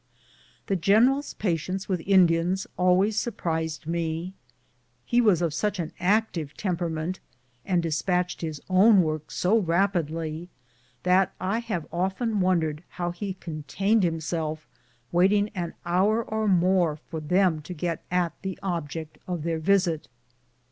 The general's patience with Indians always surprised me. He was of sucli an active temperament and de spatched his own work so rapidly that I have often wondered how he contained himself waiting an hour or more for them to get at the object of their visit.